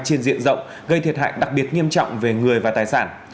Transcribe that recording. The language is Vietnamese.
trên diện rộng gây thiệt hại đặc biệt nghiêm trọng về người và tài sản